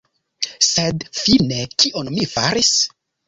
Sed fine kion mi faris?